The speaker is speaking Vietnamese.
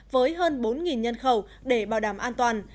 với hơn bốn nhân khẩu để bảo đảm an toàn